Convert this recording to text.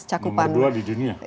nomor dua di dunia